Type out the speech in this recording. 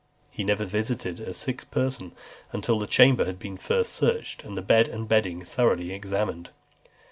He never visited a sick person, until the chamber had been first searched, and the bed and bedding thoroughly examined.